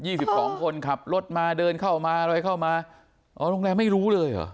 สิบสองคนขับรถมาเดินเข้ามาอะไรเข้ามาอ๋อโรงแรมไม่รู้เลยเหรอ